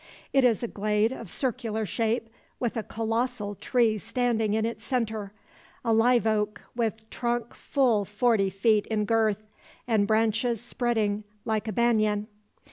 It is a glade of circular shape, with a colossal tree standing in its centre, a live oak with trunk full forty feet in girth, and branches spreading like a banyan.